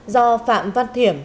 do phạm văn thiểm